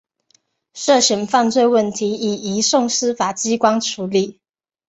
涉嫌犯罪问题已移送司法机关处理。